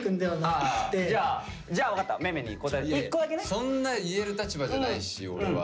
そんな言える立場じゃないしオレは。